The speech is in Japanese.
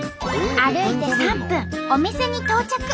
歩いて３分お店に到着。